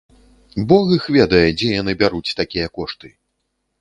Бог іх ведае, дзе яны бяруць такія кошты.